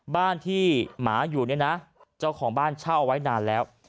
บ้านที่หมาอยู่เนี่ยนะเจ้าของบ้านเช่าเอาไว้นานแล้ว